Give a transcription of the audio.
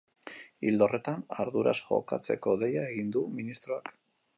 Ildo horretan, arduraz jokatzeko deia egin du ministroak.